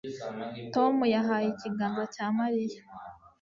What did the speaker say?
Tom yahaye ikiganza cya Mariya